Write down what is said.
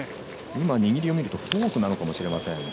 握りを見るとフォークなのかもしれません。